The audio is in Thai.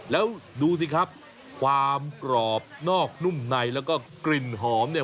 แล้วดูสิครับความกรอบนอกนุ่มในแล้วก็กลิ่นหอมเนี่ย